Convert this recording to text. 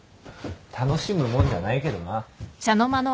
楽しむもんじゃないけどな。